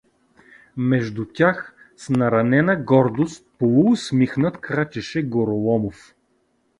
Между тях, с наранена гордост, поусмихнат, крачеше Гороломов.